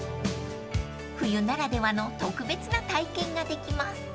［冬ならではの特別な体験ができます］